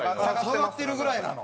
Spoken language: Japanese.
下がってるぐらいなの？